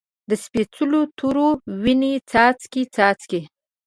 د سپیڅلو تورو، وینې څاڅکي، څاڅکي